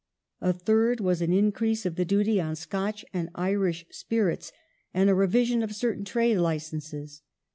A third was an increase of the duty on Scotch and Irish spirits, and a revision of certain trade licenses.